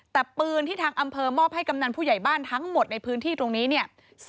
แต่ปืนที่ทางอำเภอมอบให้กำนันผู้ใหญ่บ้านทั้งหมดในพื้นที่ตรงนี้เนี่ย